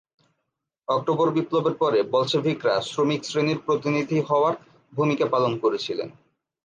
October বিপ্লবের পরে বলশেভিকরা শ্রমিক শ্রেণির প্রতিনিধি হওয়ার ভূমিকা পালন করেছিলেন।